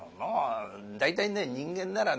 大体ね人間ならね